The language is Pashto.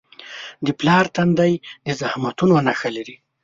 د پلار تندی د زحمتونو نښه لري.